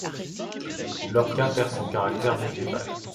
Lorca perd son caractère médiéval.